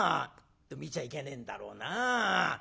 でも見ちゃいけねえんだろうな。